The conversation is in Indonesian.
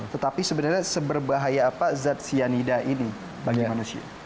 tetapi sebenarnya seberbahaya apa zat cyanida ini bagi manusia